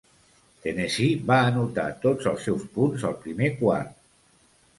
Tennessee va anotar tots els seus punts al primer quart.